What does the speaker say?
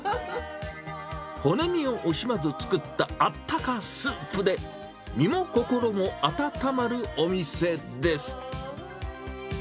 骨身を惜しまず作ったあったかスープで、身も心も温まるお店です。